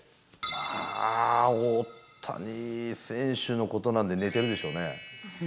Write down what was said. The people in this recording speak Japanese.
まあ、大谷選手のことなんで寝てるでしょうね。